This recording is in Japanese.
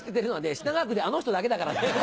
品川区であの人だけだから。